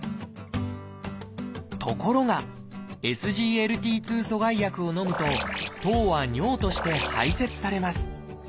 ところが「ＳＧＬＴ２阻害薬」を飲むと糖は尿として排せつされます。